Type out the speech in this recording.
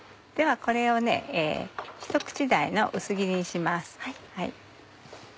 ではこれをひと口大の薄切りにします。